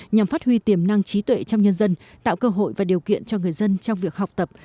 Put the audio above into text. nhằm phát huy tiềm năng trí tuệ trong nhân dân tạo cơ hội và điều kiện cho người dân trong việc học tập